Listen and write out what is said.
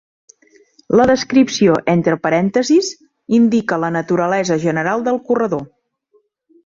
La descripció entre parèntesis indica la naturalesa general del corredor.